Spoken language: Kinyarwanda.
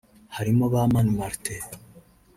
Harimo ba Mani Martin